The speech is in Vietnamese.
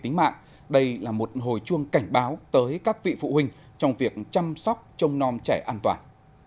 tính mạng đây là một hồi chuông cảnh báo tới các vị phụ huynh trong việc chăm sóc trong non trẻ an toàn